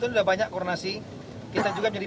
sudah banyak koordinasi kita juga menjadi